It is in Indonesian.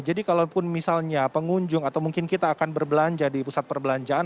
jadi kalau misalnya pengunjung atau mungkin kita akan berbelanja di pusat perbelanjaan